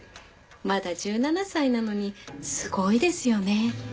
まだ１７歳なのにすごいですよね。